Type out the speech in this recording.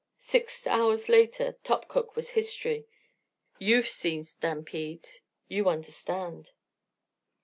Six hours later Topkuk was history. You've seen stampedes you understand.